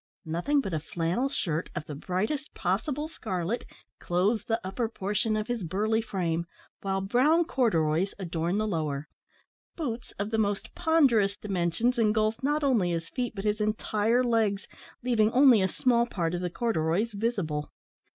Nothing but a flannel shirt, of the brightest possible scarlet, clothes the upper portion of his burly frame, while brown corduroys adorn the lower. Boots of the most ponderous dimensions engulf, not only his feet, but his entire legs, leaving only a small part of the corduroys visible.